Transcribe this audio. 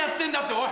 おい！